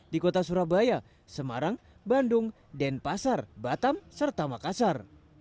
di kota surabaya semarang bandung denpasar batam serta makassar